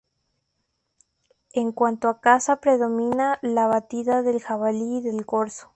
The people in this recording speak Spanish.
En cuanto a caza predomina la batida del jabalí y del corzo.